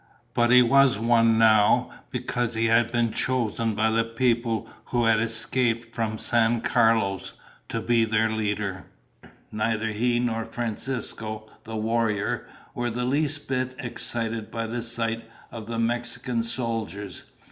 But he was one now because he had been chosen by the people who had escaped from San Carlos, to be their leader. Neither he nor Francisco, the warrior, were the least bit excited by the sight of the Mexican soldiers.